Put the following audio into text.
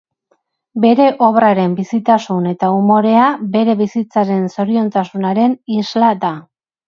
Bere obraren bizitasun eta umorea bere bizitzaren zoriontasunaren isla da.